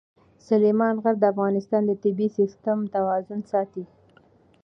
سلیمان غر د افغانستان د طبعي سیسټم توازن ساتي.